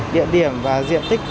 địa điểm và diện tích